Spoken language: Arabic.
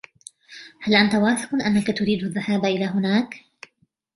هل أنت واثق أنك تريد الذهاب إلى هناك ؟